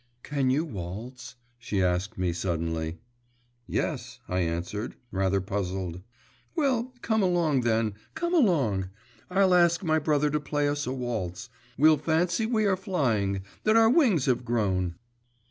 'Can you waltz?' she asked me suddenly. 'Yes,' I answered, rather puzzled. 'Well, come along then, come along.… I'll ask my brother to play us a waltz.… We'll fancy we are flying, that our wings have grown.